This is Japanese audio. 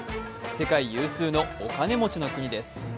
世界有数のお金持ちの国です。